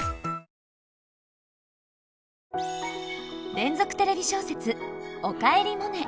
連続テレビ小説「おかえりモネ」。